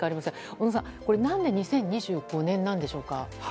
小野さん何で２０２５年なんでしょうか。